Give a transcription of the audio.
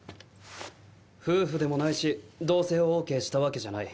夫婦でもないし同棲をオーケーしたわけじゃない。